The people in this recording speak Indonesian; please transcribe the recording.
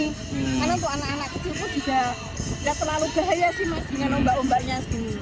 karena untuk anak anak kecil pun juga tidak terlalu bahaya sih mas dengan ombak ombaknya